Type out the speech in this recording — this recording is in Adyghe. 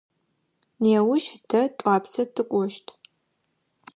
Неущ тэ Тӏуапсэ тыкӏощт.